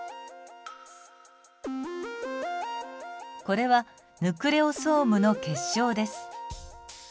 これはヌクレオソームの結晶です。